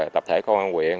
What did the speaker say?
tập thể công an huyền